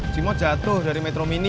jimo jatuh dari metro mini